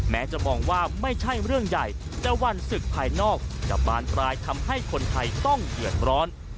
แม้จะมองว่าไม่ใช่เรื่องใหญ่แต่วันศึกภายนอกจะบานปลายทำให้คนไทยต้องเดือดร้อน